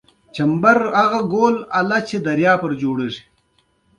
د سیند په موجونو کې حرکت کاوه.